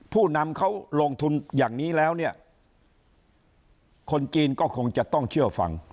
ผู้นำเขาลงทุนอย่างนี้แล้วเนี่ยคนจีนก็คงจะต้องเชื่อฟัง